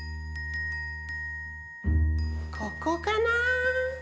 ここかな？